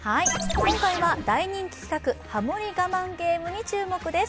今回は大人気企画「ハモリ我慢ゲーム」に注目です。